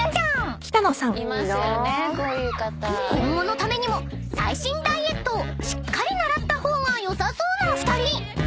［今後のためにも最新ダイエットをしっかり習った方がよさそうな２人］